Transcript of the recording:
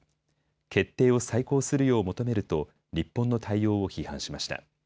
決定を再考するよう求めると日本の対応を批判しました。